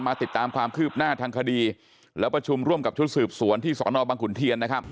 ติดตามความคืบหน้าทางคดีแล้วประชุมร่วมกับชุดสืบสวนที่สอนอบังขุนเทียนนะครับ